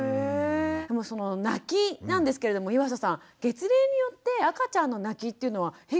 でもその泣きなんですけれども岩佐さん月齢によって赤ちゃんの泣きっていうのは変化していく感じですか？